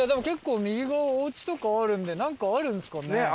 結構右側おうちとかあるんでなんかあるんですかね？